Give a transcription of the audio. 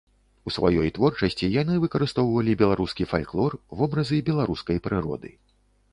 У сваёй творчасці яны выкарыстоўвалі беларускі фальклор, вобразы беларускай прыроды.